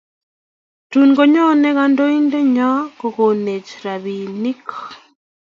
Tun nyone kandoindet nyon kokonech rabisiek